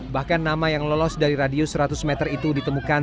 bahkan nama yang lolos dari radius seratus meter itu ditemukan